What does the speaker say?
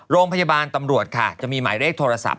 โรงพยาบาลตำรวจค่ะจะมีหมายเลขโทรศัพท์